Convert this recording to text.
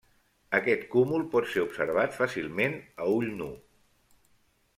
Aquest cúmul pot ser observat fàcilment a ull nu.